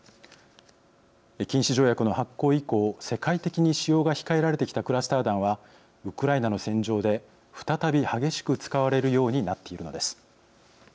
禁止条約の発効以降世界的に使用が控えられてきたクラスター弾はウクライナの戦場で再び激しく使われるようになっているのです。